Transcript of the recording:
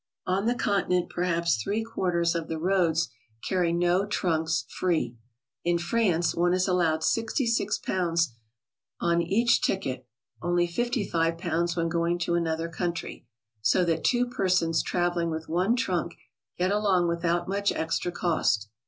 On the Continent perhaps three quarters of the roads carry no trunks free. In France one is allowed 66 pounds on each ticket (only 55 pounds when going to another country), so Uiat two persons traveling with one trunk get along without much extra cost.